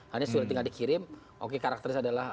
hanya surat tinggal dikirim oke karakteris adalah